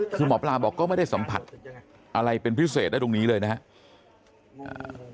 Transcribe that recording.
คือหมอปลาบอกก็ไม่ได้สัมผัสอะไรเป็นพิเศษได้ตรงนี้เลยนะครับ